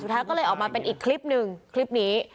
สุดท้ายก็เลยออกมาเป็นอีกคลิปหนึ่งคลิปนี้